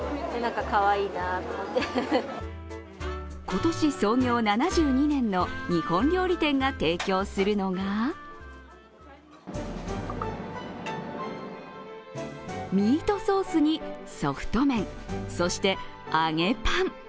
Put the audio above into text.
今年創業７２年の日本料理店が提供するのがミートソースにソフト麺、そして揚げパン。